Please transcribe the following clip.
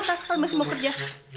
kalo masih mau kerja